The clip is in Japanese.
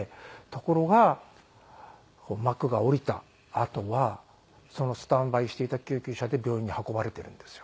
ところが幕が下りたあとはそのスタンバイしていた救急車で病院に運ばれているんですよ。